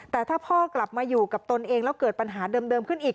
แต่ถ้าพ่อกลับมาอยู่กับตนเองแล้วเกิดปัญหาเดิมขึ้นอีก